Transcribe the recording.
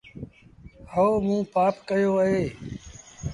هئو موݩ پآپ ڪيو اهي۔